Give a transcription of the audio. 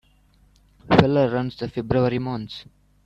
Feller runs the February months.